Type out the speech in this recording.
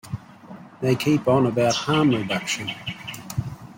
They keep on about harm reduction.